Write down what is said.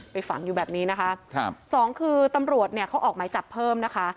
ฝังอยู่แบบนี้นะคะครับสองคือตำรวจเนี่ยเขาออกหมายจับเพิ่มนะคะ